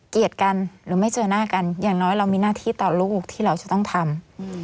เกลียดกันหรือไม่เจอหน้ากันอย่างน้อยเรามีหน้าที่ต่อลูกที่เราจะต้องทำ